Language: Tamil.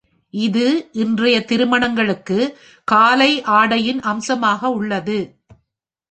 இது இன்றைய திருமணங்களுக்கு காலை ஆடையின் அம்சமாக உள்ளது.